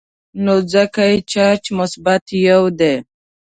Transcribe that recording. نو ځکه یې چارج مثبت یو دی.